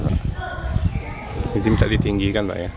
minta ditinggikan pak ya